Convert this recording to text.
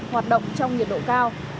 hoạt động trong nhiệt độ cao